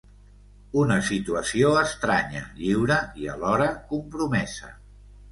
Una situació estranya, lliure i alhora compromesa...